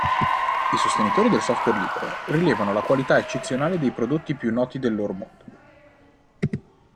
I sostenitori del software libero rilevano la qualità eccezionale dei prodotti più noti del loro mondo.